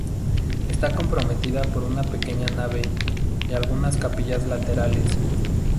Está comprendida por una pequeña nave y algunas capillas laterales.